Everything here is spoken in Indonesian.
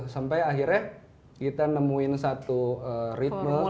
sampai akhirnya kita nemuin satu ritme